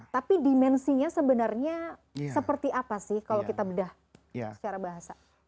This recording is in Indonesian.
tapi dimensinya sebenarnya seperti apa sih kalau kita bedah secara bahasa